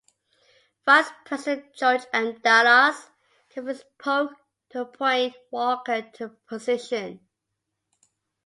Vice President George M. Dallas convinced Polk to appoint Walker to the position.